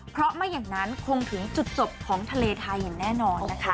เพราะไม่อย่างนั้นคงถึงจุดจบของทะเลไทยอย่างแน่นอนนะคะ